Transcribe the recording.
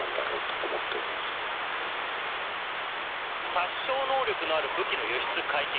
殺傷能力のある武器の輸出解禁。